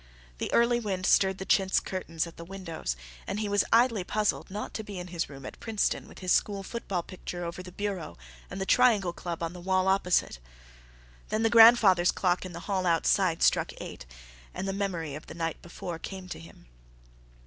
The early wind stirred the chintz curtains at the windows and he was idly puzzled not to be in his room at Princeton with his school football picture over the bureau and the Triangle Club on the wall opposite. Then the grandfather's clock in the hall outside struck eight, and the memory of the night before came to him.